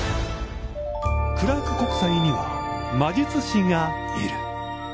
クラーク国際には魔術師がいる。